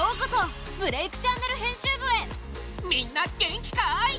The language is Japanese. みんな元気かい？